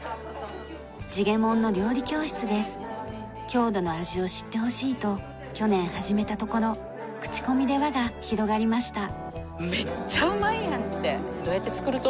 郷土の味を知ってほしいと去年始めたところ口コミで輪が広がりました。